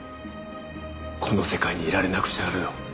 この世界にいられなくしてやるよ。